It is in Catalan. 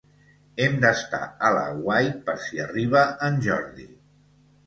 Hem d'estar a l'aguait per si arriba en Jordi.